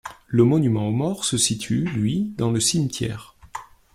Le monument aux morts se situe lui dans le cimetière.